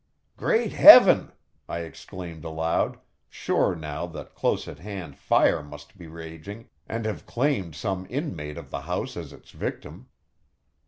"Great heaven!" I exclaimed aloud, sure now that close at hand fire must be raging, and have claimed some inmate of the house as its victim.